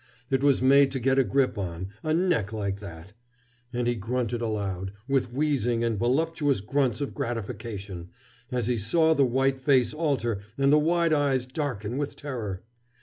It was made to get a grip on, a neck like that! And he grunted aloud, with wheezing and voluptuous grunts of gratification, as he saw the white face alter and the wide eyes darken with terror.